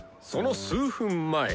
その数分前。